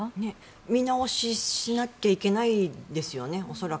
見直ししなきゃいけないですよね。